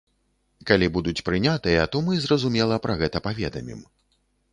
Калі будуць прынятыя, то мы, зразумела, пра гэта паведамім.